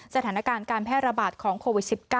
สถานการณ์การแพร่ระบาดของโควิด๑๙